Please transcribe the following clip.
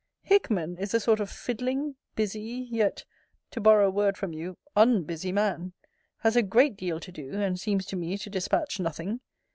Hickman is a sort of fiddling, busy, yet, to borrow a word from you, unbusy man: has a great deal to do, and seems to me to dispatch nothing.